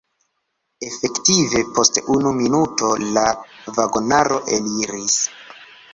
Efektive post unu minuto la vagonaro eliris.